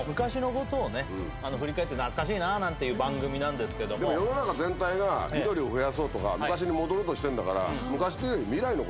でも世の中全体が緑を増やそうとか昔に戻ろうとしてるんだから。